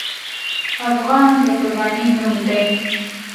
افغان د قربانۍ نوم دی.